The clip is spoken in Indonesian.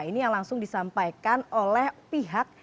ini yang langsung disampaikan oleh pihak